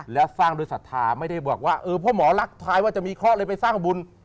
และสร้างโดยศรัทธาไม่ได้บอกว่าเออเพราะหมอรักทายว่าจะมีเคราะห์เลยไปสร้างบุญ